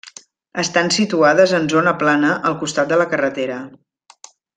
Estan situades en zona plana al costat de la carretera.